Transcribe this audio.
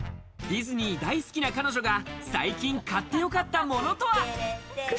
ディズニー大好きな彼女が、最近買ってよかったものとは？